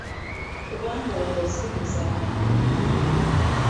Kubanga ogwo si muzannyo.